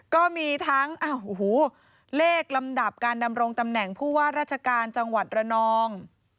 ก็มีทั้งเลขลำดับการดำรงตำแหน่งผู้ว่าราชการจังหวัดระนอง